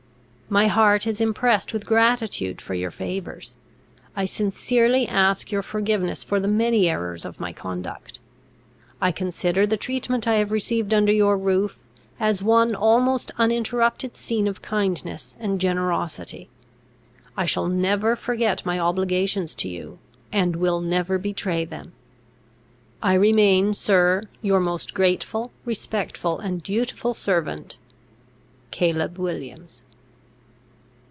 My heart is impressed with gratitude for your favours. I sincerely ask your forgiveness for the many errors of my conduct. I consider the treatment I have received under your roof, as one almost uninterrupted scene of kindness and generosity. I shall never forget my obligations to you, and will never betray them. "I remain, Sir, "Your most grateful, respectful, "and dutiful servant, "CALEB WILLIAMS."